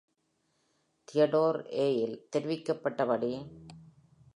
Theodore A ஆல் தெரிவிக்கப்பட்டபடி.